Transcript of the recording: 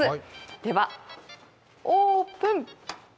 では、オープン！